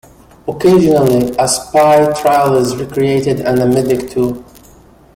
Occasionally, a spy trial is recreated, and a medic too.